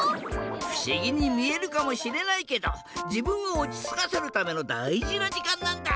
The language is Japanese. ふしぎにみえるかもしれないけどじぶんをおちつかせるためのだいじなじかんなんだ。